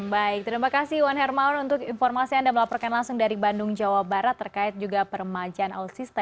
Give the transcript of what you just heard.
baik terima kasih wan hermawan untuk informasi anda melaporkan langsung dari bandung jawa barat terkait juga permajaan al sista